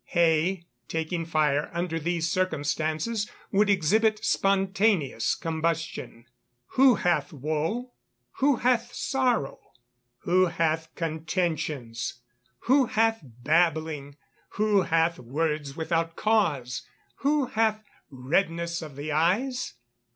Hay, taking fire under these circumstances, would exhibit spontaneous combustion. [Verse: "Who hath woe? who hath sorrow? who hath contentions? who hath babbling? who hath words without cause? who hath redness of the eyes?